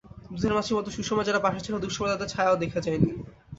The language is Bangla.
দুধের মাছির মতো সুসময়ে যারা পাশে ছিল, দুঃসময়ে তাদের ছায়াও দেখা যায়নি।